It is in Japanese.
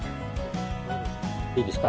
いいですか？